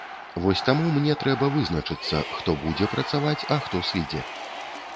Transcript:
Вось таму мне трэба вызначыцца, хто будзе працаваць, а хто сыдзе.